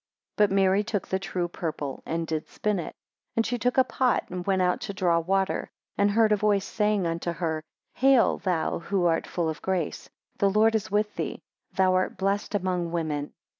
6 But Mary took the true purple; and did spin it. 7 And she took a pot, and went out to draw water, and heard a voice saying unto her, Hail thou who art full of grace, the Lord is with thee; thou art blessed among women.